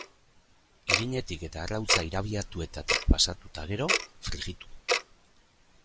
Irinetik eta arrautza irabiatuetatik pasatu eta gero, frijitu.